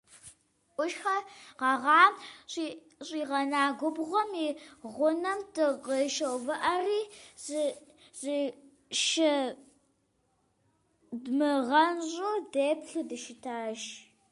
Ӏущхьэ гъэгъам щӀигъэна губгъуэм и гъунэм дыкъыщыувыӀэри зышыдмыгъэнщӏу деплъу дыщытащ.